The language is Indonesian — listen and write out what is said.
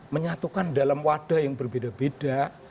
menyatukan dalam wadah yang berbeda beda